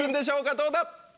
どうだ？